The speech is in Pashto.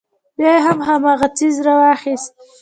بيا يې هم هماغه څيز راواخيست.